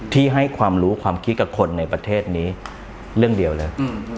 ที่ให้ความรู้ความคิดกับคนในประเทศนี้เรื่องเดียวเลย